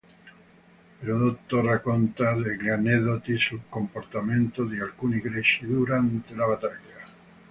Erodoto racconta degli aneddoti sul comportamento di alcuni Greci durante la battaglia.